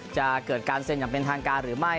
จะเกิดการเซ็นอย่างเป็นทางการหรือไม่